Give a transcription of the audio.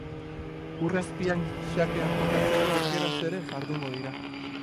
Ur azpian xakean jokatzeko aukeraz ere jardungo dira.